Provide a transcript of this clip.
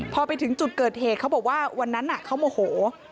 พอไปถึงจุดเกิดเหตุเขาบอกว่าวันนั้นเขาโมโห